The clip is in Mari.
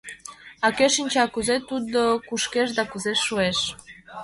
А кӧ шинча, кузе тудо кушкеш да кузе шуэш.